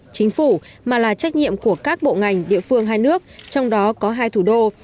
chính phủ mà là trách nhiệm của các bộ ngành địa phương hai nước trong đó có hai thủ đô